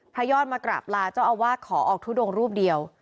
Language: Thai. ยอดมากราบลาเจ้าอาวาสขอออกทุดงรูปเดียว